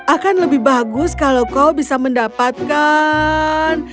akan lebih bagus kalau kau bisa mendapatkan